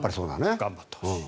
頑張ってほしい。